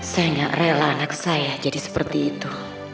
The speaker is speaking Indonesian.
saya nggak rela anak saya jadi seperti itu